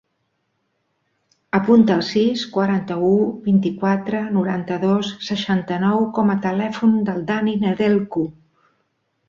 Apunta el sis, quaranta-u, vint-i-quatre, noranta-dos, seixanta-nou com a telèfon del Dani Nedelcu.